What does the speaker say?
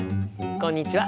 こんにちは。